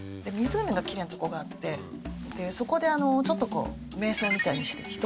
湖がきれいなとこがあってそこでちょっとこう瞑想みたいにして。